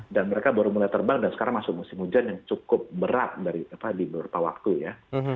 dan mereka baru mulai terbang dan sekarang masuk musim hujan yang cukup berat dari apa di beberapa waktu ya